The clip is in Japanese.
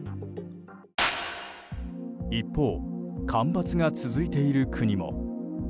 一方、干ばつが続いている国も。